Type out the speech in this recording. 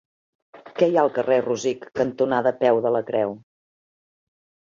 Què hi ha al carrer Rosic cantonada Peu de la Creu?